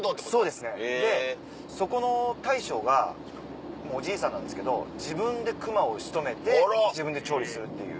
そうですねでそこの大将がもうおじいさんなんですけど自分で熊を仕留めて自分で調理するっていう。